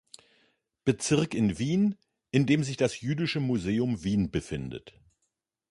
Bezirk in Wien, in dem sich das Jüdische Museum Wien befindet.